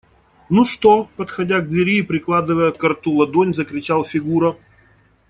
– Ну что? – подходя к двери и прикладывая ко рту ладонь, закричал Фигура.